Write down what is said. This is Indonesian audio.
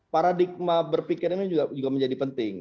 paradigma berpikir ini juga menjadi penting